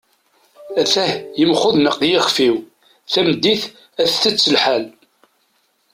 at-ah yemxudneq yixef-iw, tameddit ad tett lḥal